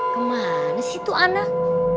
kemana sih itu anak